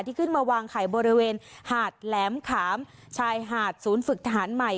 ขึ้นมาวางไข่บริเวณหาดแหลมขามชายหาดศูนย์ฝึกทหารใหม่